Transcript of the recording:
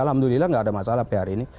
alhamdulillah tidak ada masalah pr ini